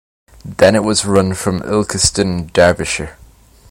Then it was run from Ilkeston, Derbyshire.